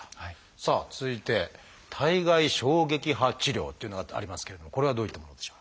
さあ続いて「体外衝撃波治療」というのがありますけれどこれはどういったものでしょう？